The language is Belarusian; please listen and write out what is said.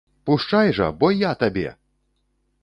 Пушчай жа, бо я табе!